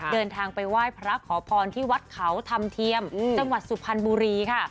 เดินทางไปไหว้พระขอพรที่วัดเขาธรรมเทียมจังหวัดสุพรรณบุรีค่ะ